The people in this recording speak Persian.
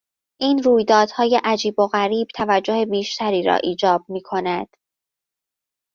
این رویدادهای عجیب و غریب توجه بیشتری را ایجاب میکند.